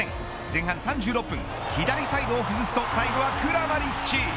前半３６分左サイドを崩すと最後はクラマリッチ。